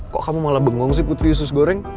kok kamu malah bengong sih putri usus goreng